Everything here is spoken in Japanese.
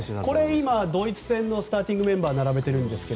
今、ドイツ戦のスターティングメンバーを並べているんですが。